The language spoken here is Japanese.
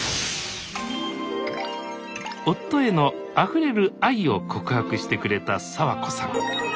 夫へのあふれる愛を告白してくれた早和子さん。